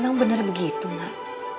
emang bener begitu nak